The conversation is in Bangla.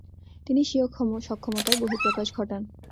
তিনি স্বীয় সক্ষমতার বহিঃপ্রকাশ ঘটান।